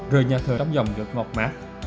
rời nhà thờ tóc dòng giật ngọt mát